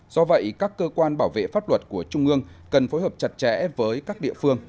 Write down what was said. do vậy các cơ quan bảo vệ pháp luật của trung ương cần phối hợp chặt chẽ với các địa phương